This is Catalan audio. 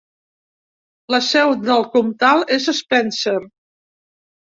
La seu del comtal és Spencer.